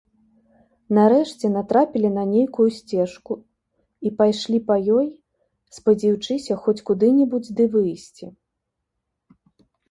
Нарэшце, натрапілі на нейкую сцежку і пайшлі па ёй, спадзеючыся хоць куды-небудзь ды выйсці.